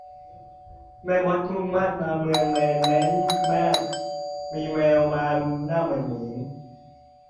แม่มดมุ่งมาดมาเมืองแมนแม้นมาศมีแมวมาหน้าเหมือนหมู